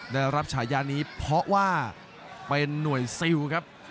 ได้รับฉายานี้เพราะว่าเป็นหน่วยซิลครับ